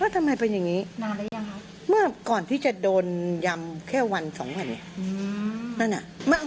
อ๋อทำไมเป็นอย่างงี้นานแล้วยังครับเมื่อก่อนที่จะโดนยำแค่วันสองวันเนี่ยอืม